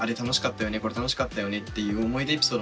これ楽しかったよね」っていう思い出エピソード